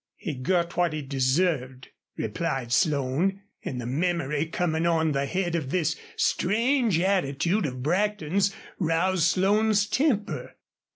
"He got what he deserved," replied Slone, and the memory, coming on the head of this strange attitude of Brackton's, roused Slone's temper.